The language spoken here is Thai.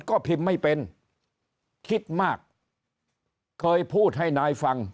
ก็พิมพ์ไม่เป็นคิดมากเคยพูดให้นายฟัง